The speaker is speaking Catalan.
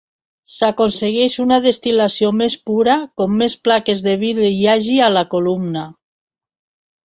S'aconsegueix una destil·lació més pura com més plaques de vidre hi hagi a la columna.